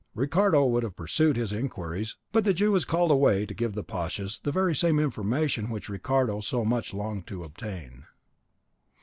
Ricardo would have pursued his inquiries, but the Jew was called away to give the pashas the very same information which Ricardo so much longed to obtain.